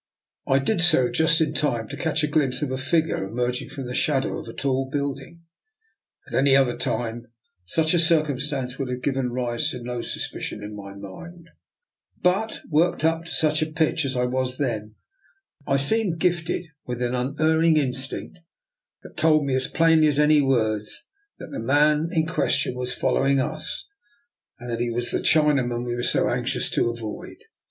I did so just in time to catch a glimpse of a figure em erging from the shadow of a tall building. At any other time such a circumstance would have given rise to no suspicion in my mind; but, worked up to such a pitch as I was then, I seemed gifted with an unerring instinct that told me as plainly as any words that the man DR. NIKOLA'S EXPERIMENT. 145 in question was following us, and that he was the Chinaman we were so anxious to avoid.